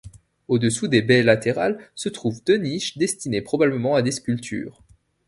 Au-dessous des baies latérales se trouvent deux niches destinées probablement à des sculptures.